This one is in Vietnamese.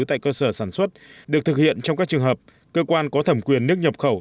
tại cơ sở sản xuất được thực hiện trong các trường hợp cơ quan có thẩm quyền nước nhập khẩu